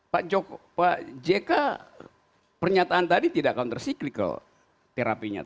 pak jk pernyataan tadi tidak counter cyclical terapinya